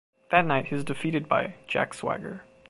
That night he was defeated by Jack Swagger.